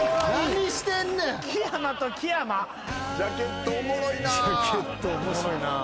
ジャケットおもろいな。